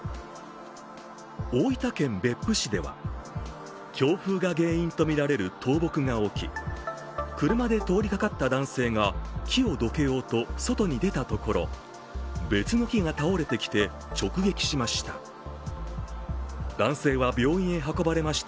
大分県別府市では強風が原因とみられる倒木が起き、車で通りかかった男性が木をどけようと外に出たところ別の木が倒れてきて直撃しました。